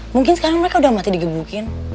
mungkin sekarang mereka udah mati digebukin